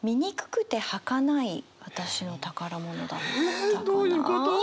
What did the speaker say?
えどういうこと！？